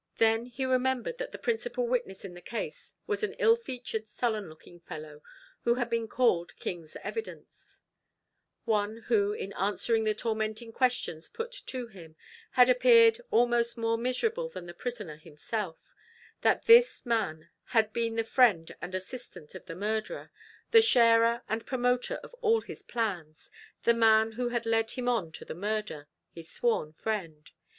Then he remembered that the principal witness in the case was an ill featured, sullen looking fellow, who had been called king's evidence one who, in answering the tormenting questions put to him, had appeared almost more miserable than the prisoner himself; that this man had been the friend and assistant of the murderer the sharer and promoter of all his plans the man who had led him on to the murder his sworn friend.